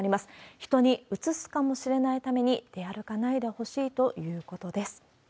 人にうつすかもしれないために、出歩かないでほしいということです。